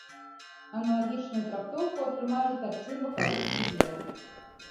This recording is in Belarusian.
Аналагічную трактоўку атрымалі тарцы бакавых прыдзелаў.